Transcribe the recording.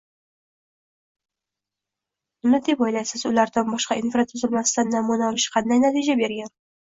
Nima deb oʻylaysiz, ularda boshqa infratuzilmasidan namuna olish qanday natija bergan?